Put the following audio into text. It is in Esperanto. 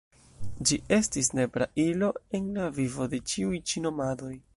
Ĝi estis nepra ilo en la vivo de ĉiuj ĉi nomadoj.